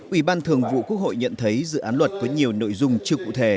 ủy ban thường vụ quốc hội nhận thấy dự án luật có nhiều nội dung chưa cụ thể